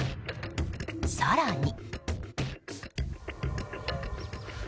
更に。